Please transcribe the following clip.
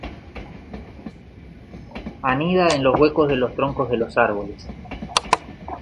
Anida en los huecos de los troncos de los árboles.